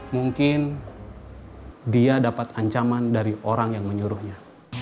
mungkin dia dapat ancaman dari orang yang menyuruhnya